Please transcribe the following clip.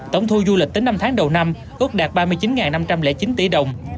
tổng thu du lịch tính năm tháng đầu năm ước đạt ba mươi chín năm trăm linh chín tỷ đồng